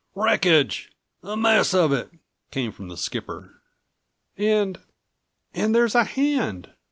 "Wreckage! A mass of it!" came from the skipper. "And—and there's a hand!"